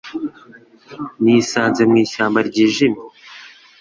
Nisanze mu ishyamba ryijimye